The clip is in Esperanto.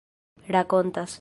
rakontas